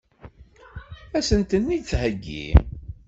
Ad sent-ten-id-theggi?